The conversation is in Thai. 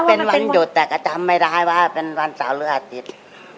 ว่าเขาเป็นวันหยุดแต่ก็จำไม่ร้ายว่าเป็นวันเสาหรืออาทิตย์